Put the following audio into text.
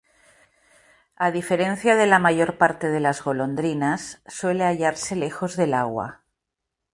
A diferencia de la mayor parte de las golondrinas, suele hallarse lejos del agua.